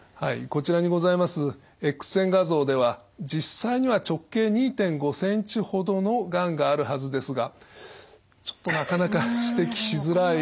こちらにございますエックス線画像では実際には直径２．５ｃｍほどのがんがあるはずですがちょっとなかなか指摘しづらい。